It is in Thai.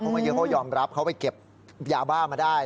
เพราะมันยังคงยอมรับเขาไปเก็บยาวบ้ามาได้